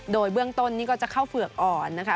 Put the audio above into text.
โดยเบื้องต้นนี่ก็จะเข้าเฝือกอ่อนนะคะ